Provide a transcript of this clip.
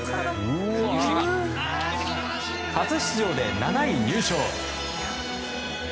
初出場で７位入賞。